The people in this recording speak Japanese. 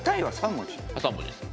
３文字ですよ。